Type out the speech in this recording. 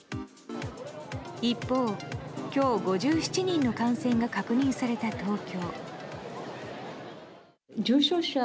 一方、今日５７人の感染が確認された東京。